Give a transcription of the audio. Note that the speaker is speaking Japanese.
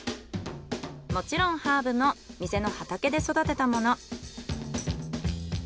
もちろんハーブも店の畑で育てたもの。